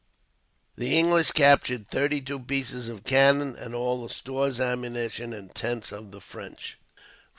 The English captured thirty two pieces of cannon, and all the stores, ammunition, and tents of the French.